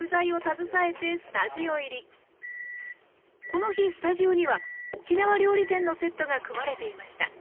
この日スタジオには沖縄料理店のセットが組まれていました。